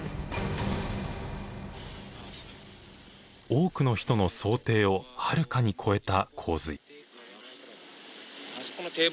多くの人の想定をはるかに超えた洪水。